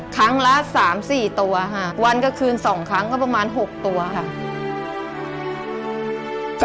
ครั้งละสามสี่ตัวค่ะวันก็คืนสองครั้งก็ประมาณหกตัวค่ะ